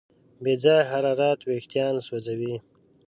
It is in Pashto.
بې ځایه حرارت وېښتيان سوځوي.